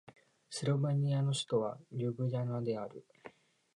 スロベニアの首都はリュブリャナである